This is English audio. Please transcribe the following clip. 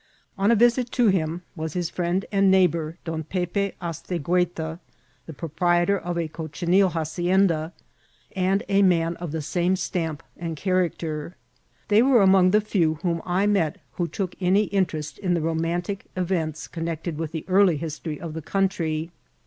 On a visit to him was his friend and neighbour Don Pepe Astegueta, proprietor of a cochineal hacienda, and a man of the same stamp and character. They were among the few whom I met who took any interest in the romantic events connected with the early history of the country.